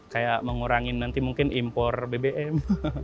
kayak mengurangi nanti mungkin impor bbm